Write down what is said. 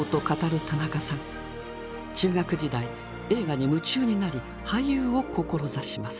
中学時代映画に夢中になり俳優を志します。